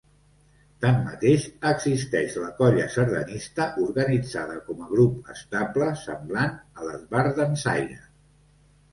Tanmateix, existeix la colla sardanista organitzada com a grup estable, semblant a l'esbart dansaire.